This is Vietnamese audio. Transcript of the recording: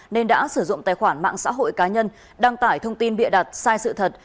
nên đã sử dụng tài khoản mạng xã hội cá nhân đăng tải thông tin bịa đặt sai sự thật